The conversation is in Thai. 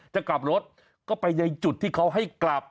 จะกลับรถก็ไปในจุดที่เขาให้กลับ